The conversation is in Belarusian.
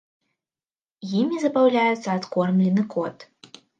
Імі забаўляецца адкормлены кот.